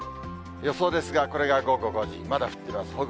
予想ですが、これが午後５時、まだ降ってます。